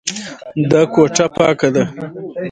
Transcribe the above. دا کوټه پاکه ده.